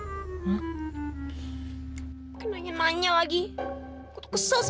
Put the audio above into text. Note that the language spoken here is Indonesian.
oh iya memang madam se sporty ya makanya creator robin tuh you're python benin